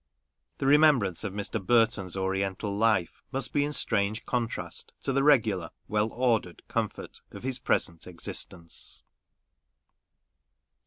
The remembrance of Mr. Burton's Oriental life must be in strange contrast to the regular, well ordered comfort of his present existence.